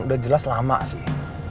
udah jelas lama sih